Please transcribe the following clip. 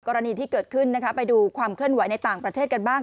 กรณีที่เกิดขึ้นนะคะไปดูความเคลื่อนไหวในต่างประเทศกันบ้าง